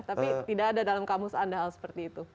tapi tidak ada dalam kamus anda hal seperti itu